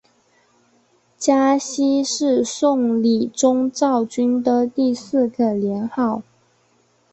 嘉熙是宋理宗赵昀的第四个年号。